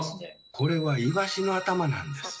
これはイワシの頭なんです。